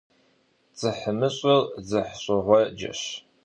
ДзыхьмыщӀыр дзыхьщӀыгъуэджэщ.